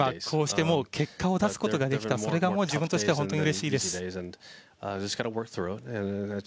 こうして結果を出すことができた、それがもう自分としては本当にうれしいです。